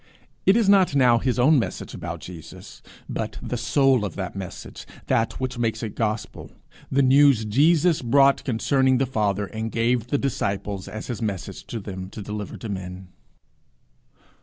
It is not now his own message about Jesus, but the soul of that message that which makes it gospel the news Jesus brought concerning the Father, and gave to the disciples as his message for them to deliver to men.